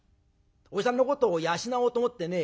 おじさんのことを養おうと思ってね。